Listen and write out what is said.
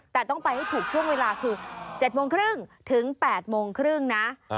แต่ต้องไปให้ถูกช่วงเวลาคือ๗๓๐ถึง๘๓๐นะ